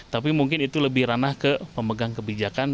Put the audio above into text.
tapi mungkin itu lebih ranah ke pemegang kebijakan